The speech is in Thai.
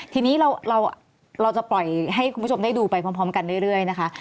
ทีนี้เราจะปล่อยให้คุณผู้ชมได้ดูไปพร้อมกันเรื่อยนะคะ